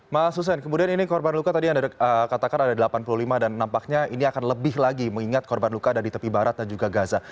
mas hussein kemudian ini korban luka tadi anda katakan ada delapan puluh lima dan nampaknya ini akan lebih lagi mengingat korban luka ada di tepi barat dan juga gaza